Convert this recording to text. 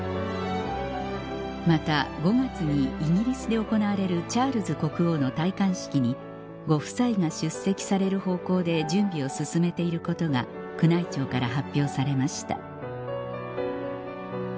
また５月にイギリスで行われるチャールズ国王の戴冠式にご夫妻が出席される方向で準備を進めていることが宮内庁から発表されました